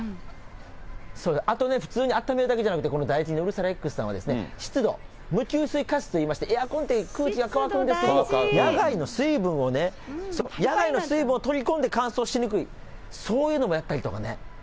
あとね、普通にあっためるだけじゃなくてこのダイキンのうるさらＸさんは湿度、無給水加湿といいまして、エアコンって、空気が乾くんですよ、野外の水分をね、野外の水分を取り込んで乾燥しにくい、そういうのもやったりとかね。